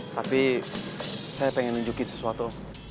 tapi saya pengen nunjukin sesuatu